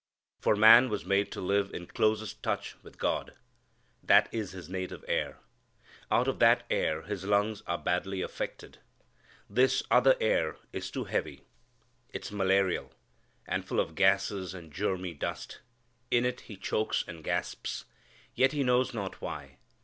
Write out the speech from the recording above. For man was made to live in closest touch with God. That is his native air. Out of that air his lungs are badly affected. This other air is too heavy. It's malarial, and full of gases and germy dust. In it he chokes and gasps. Yet he knows not why.